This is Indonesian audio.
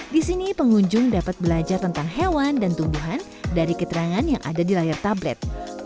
di sini pengunjung dapat belajar tentang hewan dan tumbuhan dari keterangan yang ada di layar tablet